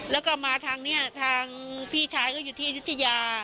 แล้วก็มาทางพี่ชายอยู่ที่ยุธยา